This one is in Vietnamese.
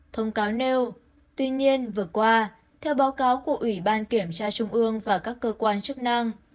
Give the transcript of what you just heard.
thông cáo nêu tuy nhiên vừa qua theo báo cáo của ủy ban kiểm tra trung ương và các cơ quan chức năng